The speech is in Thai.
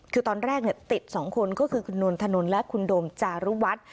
คือตอนแรกเนี่ยติดสองคนก็คือคุณโน้นถนนและคุณโดมจารุวัตร